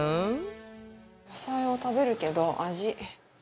野菜を食べるけど味。